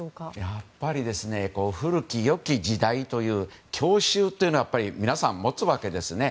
やっぱり古き良き時代という郷愁というものを皆さん、持つわけですね。